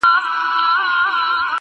چي له پرهار څخه مي ستړی مسیحا ووینم -